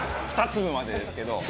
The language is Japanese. ２粒までですけど。